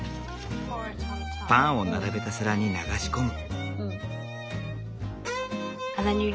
パンを並べた皿に流し込む。